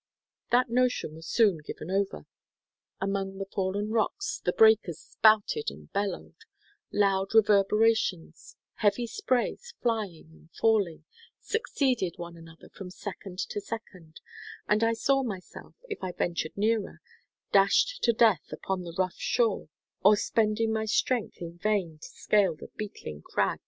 That notion was soon given over. Among the fallen rocks the breakers spouted and bellowed; loud reverberations, heavy sprays flying and falling, succeeded one another from second to second; and I saw myself, if I ventured nearer, dashed to death upon the rough shore, or spending my strength in vain to scale the beetling crags.